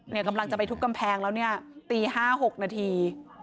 เนี่ยกำลังจะไปทุบกำแพงแล้วเนี่ยตีห้าหกนาที